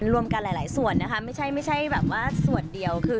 รวมกันหลายส่วนนะคะไม่ใช่ไม่ใช่แบบว่าส่วนเดียวคือ